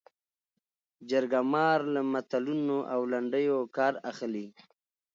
جرګه مار له متلونو او لنډیو کار اخلي